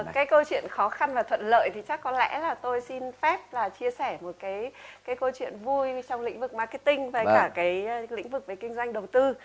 cái câu chuyện khó khăn và thuận lợi thì chắc có lẽ là tôi xin phép là chia sẻ một cái câu chuyện vui trong lĩnh vực marketing và cả cái lĩnh vực về kinh doanh đầu tư